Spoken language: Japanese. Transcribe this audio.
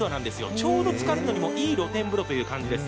ちょうどつかるのにもいい露天風呂という感じです。